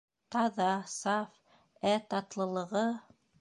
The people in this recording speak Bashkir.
Таҙа, саф, ә татлылығы!